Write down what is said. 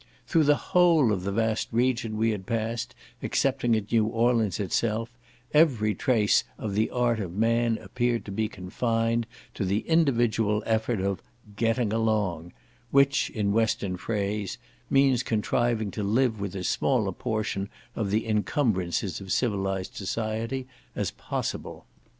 Through the whole of the vast region we had passed, excepting at New Orleans itself, every trace of the art of man appeared to be confined to the individual effort of "getting along," which, in western phrase, means contriving to live with as small a portion of the incumbrances of civilized society as possible.